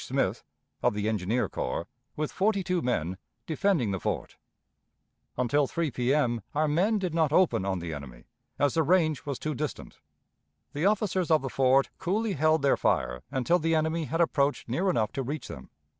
Smith, of the engineer corps, with forty two men, defending the fort. Until 3 P.M. our men did not open on the enemy, as the range was too distant. The officers of the fort coolly held their fire until the enemy had approached near enough to reach them.